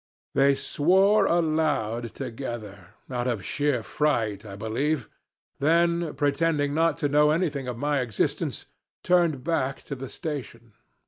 "They swore aloud together out of sheer fright, I believe then pretending not to know anything of my existence, turned back to the station.